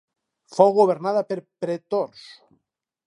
Fou governada per pretors.